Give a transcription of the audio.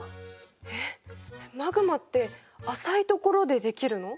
えっマグマって浅いところでできるの？